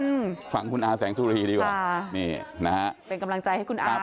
พี่หนุ่มกัญชัยกับคุณพทธดำน้องรถเมวเค้าคุยกัน